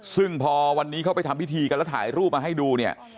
ซึ่งพอวันนี้เขาไปทำพิธีกันแล้วถ่ายรูปมาให้ดูเนี่ย